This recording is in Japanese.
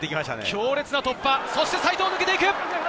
強烈な突破、そして齋藤が抜けていく。